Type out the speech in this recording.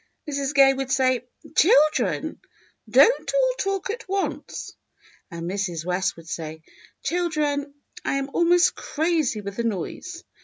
Mrs. Gay would say, "Children, don't all talk at once." And Mrs. West would say, "Children, I am almost crazy with the noise."